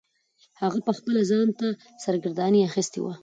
هغه پخپله ځان ته سرګرداني اخیستې وه.